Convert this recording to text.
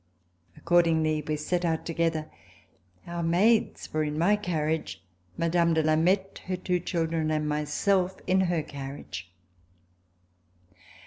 Ac cordingly, we set out together. Our maids were in my carriage, Mme. de Lameth, her two children and myself, in her carriage.